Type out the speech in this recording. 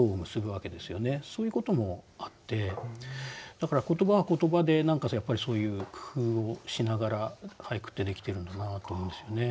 そういうこともあってだから言葉は言葉でやっぱりそういう工夫をしながら俳句ってできてるんだなと思いますよね。